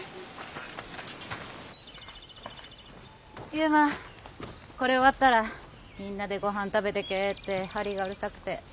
悠磨これ終わったらみんなでごはん食べてけってハリーがうるさくて。